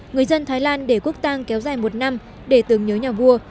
người dân thái lan để quốc tàng kéo dài một năm để tưởng nhớ nhà vua